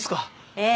ええ。